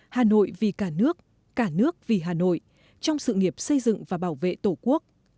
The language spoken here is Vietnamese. hà nội vì cả nước cả nước vì hà nội trong sự nghiệp xây dựng và bảo vệ tổ quốc